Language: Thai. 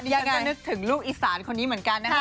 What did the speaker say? ยังจำได้นึกถึงลูกอีสานคนนี้เหมือนกันนะครับ